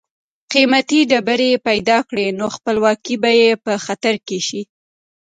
قیمتي ډبرې پیدا کړي نو خپلواکي به یې په خطر کې شي.